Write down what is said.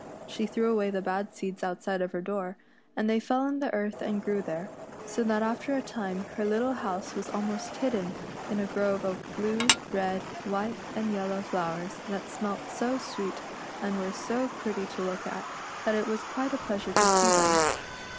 She threw away the bad seeds outside of her door, and they fell in the earth and grew there, so that after a time her little house was almost hidden in a grove of blue, red, white, and S8 REDCAP'S AD VENTURES IN FAIR YLAND. ) ello\v flowers that smelt so sweet and were so pretty to look at, that it was quite a pleasure to see them.